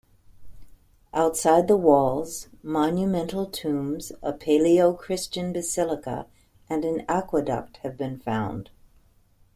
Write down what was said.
Outside the walls monumental tombs, a Palaeo-Christian basilica and an aqueduct have been found.